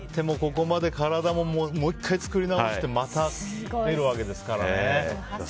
ここまで体ももう１回作り直してまた出るわけですからね。